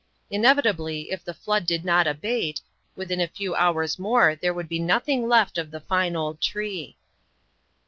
Inevitably, if the flood did not abate, within a few hours more there would be nothing left of the fine old tree.